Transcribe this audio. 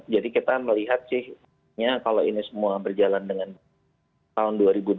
jadi kita melihat sih kalau ini semua berjalan dengan tahun dua ribu dua puluh dua